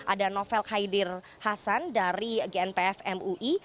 ada novel khairir hassan dari gnpf mui